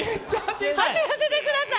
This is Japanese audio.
走らせてください！